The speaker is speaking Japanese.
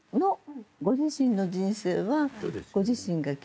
ご自身の人生はご自身が決めること。